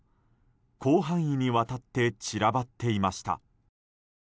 広範囲にわたって散らばっていました。